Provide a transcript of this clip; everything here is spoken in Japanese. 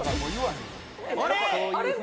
あれ？